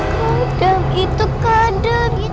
kadang itu kadang